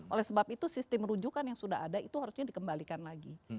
oleh sebab itu sistem rujukan yang sudah ada itu harusnya dikembalikan lagi